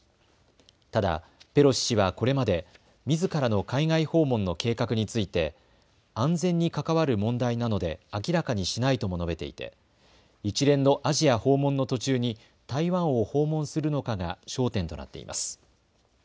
ただ、ペロシ氏はこれまで、みずからの海外訪問の計画について安全に関わる問題なので明らかにしないとも述べていて一連のアジア訪問の途中に台湾を訪問するのかが焦点となっています。